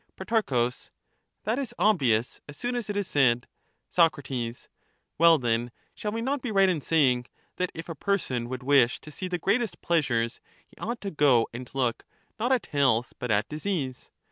Pro, That is obvious as soon as it is said. Soc, Well, then, shall we not be right in saying, that if a person would wish to see the greatest pleasures he ought to go and look, not at health, but at disease?